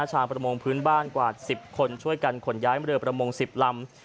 ชาวประมงพื้นบ้านกว่า๑๐คนช่วยกันขนย้ายเรือประมง๑๐ลำ